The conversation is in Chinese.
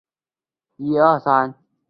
戈阿人口变化图示